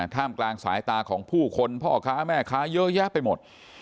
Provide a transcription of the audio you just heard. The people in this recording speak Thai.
ท่ามกลางสายตาของผู้คนพ่อค้าแม่ค้าเยอะแยะไปหมด